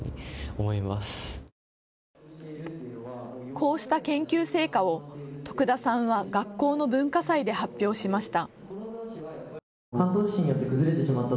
こうした研究成果を徳田さんは学校の文化祭で発表しました。